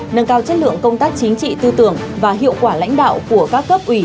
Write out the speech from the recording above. nâng cao chất lượng công tác chính trị tư tưởng và hiệu quả lãnh đạo của các cấp ủy